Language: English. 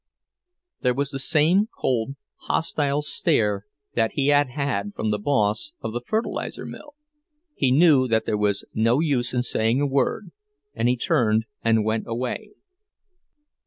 There was the same cold, hostile stare that he had had from the boss of the fertilizer mill. He knew that there was no use in saying a word, and he turned and went away.